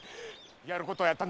やることはやった！